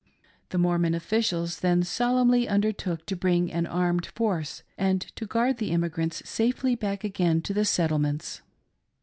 The Mormon officials then solemnly undertook to bring .an armed force and to guard the emigrants safely back again to the Settlements.